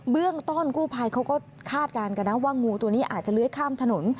เรื่องต้นกู้ภัยเขาก็คาดการณ์กันนะว่างูตัวนี้อาจจะเลื้อยข้ามถนน